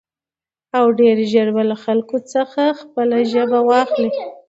او ډېر زر به له خلکو څخه خپله ژبه واخلي.